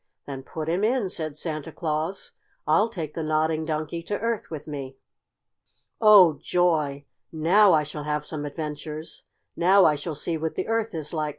"Then put him in," said Santa Claus. "I'll take the Nodding Donkey to Earth with me." "Oh, joy! Now I shall have some adventures! Now I shall see what the Earth is like!"